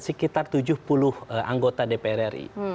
sekitar tujuh puluh anggota dpr ri